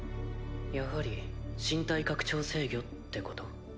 やはり身体拡張制御ってこと？